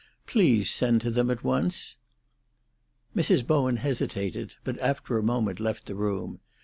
"Please send to them at once." Mrs. Bowen hesitated, but after a moment left the room.